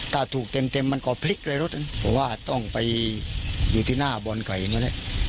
ถ้าถูกเต็มมันก็พลิกเลยรถเพราะว่าต้องไปอยู่ที่หน้าบ่อนไก่นั่นแหละ